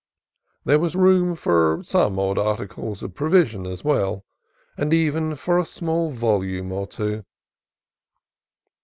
There was room for some odd articles of pro vision as well, and even for a small volume or two.